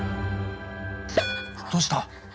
どうした？